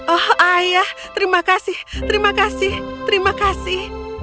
oh ayah terima kasih terima kasih terima kasih